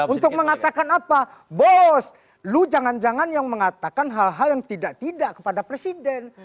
untuk mengatakan apa bos lu jangan jangan yang mengatakan hal hal yang tidak tidak kepada presiden